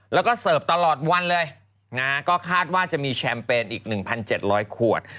แล้วก็เสิร์ฟตลอดวันเลยนะก็คาดว่าจะมีแชมเปญอีก๑๗๐๐ขวด